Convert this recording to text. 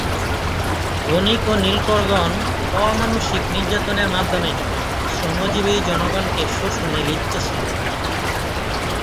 বণিক ও নীলকরগণ অমানুষিক নির্যাতনের মাধ্যমে শ্রমজীবী জনগণকে শোষণে লিপ্ত ছিল।